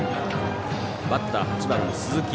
バッター、８番の鈴木。